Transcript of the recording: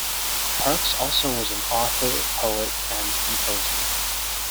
Parks also was an author, poet and composer.